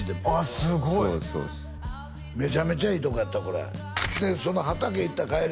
すごいめちゃめちゃいいとこやったこれでその畑行った帰り